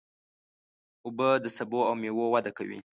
اوبه د سبو او مېوو وده کوي.